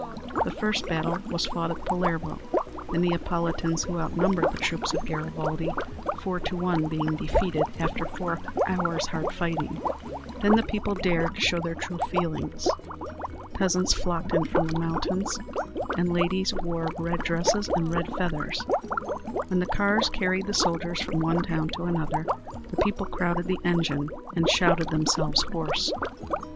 The first battle was fought at Palermo, the Neapolitans who outnumbered the troops of Garibaldi four to one being defeated after four hours' hard fighting. Then the people dared to show their true feelings. Peasants flocked in from the mountains, and ladies wore red dresses and red feathers. When the cars carried the soldiers from one town to another, the people crowded the engine, and shouted themselves hoarse.